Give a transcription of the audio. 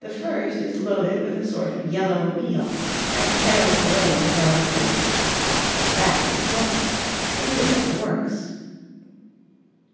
The first is loaded with a sort of yellow meal, and trails the way with yellow sprinklings. That is sulphur. They use it at the works.